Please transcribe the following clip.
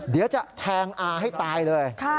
เดี๋ยวจะแทงอาให้ตายเลย